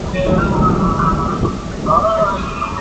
দুনিয়ার কোণা কোণা দেখতে চাই মাগার তোর হাত ধরে!